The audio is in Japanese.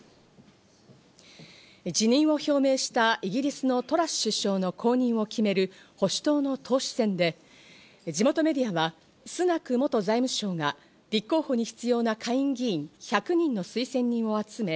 辞任を表明したイギリスのトラス首相の後任を決める保守党の党首選で地元メディアはスナク元財務相が立候補に必要な下院議員１００人の推薦人を集め